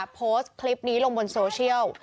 โพสต์คลิปนี้ลงบนโซเชียล